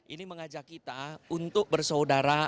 ini mengajak kita untuk bersaudara